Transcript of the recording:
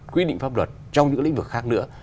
quy định pháp luật trong những lĩnh vực khác nữa